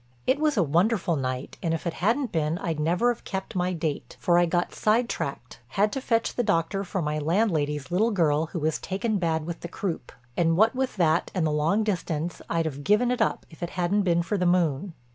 "It was a wonderful night, and if it hadn't been I'd never have kept my date. For I got side tracked—had to fetch the doctor for my landlady's little girl who was taken bad with the croup. And what with that and the long distance I'd have given it up if it hadn't been for the moon."